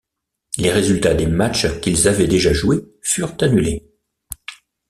Les résultats des matches qu'ils avaient déjà joués furent annulés.